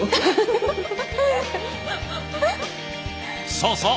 そうそう！